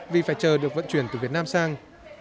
vì phải chờ được vận chuyển từ việt nam sang